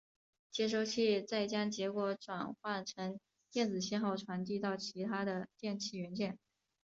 接收器再将结果转换成电子信号传递到其它的电气元件。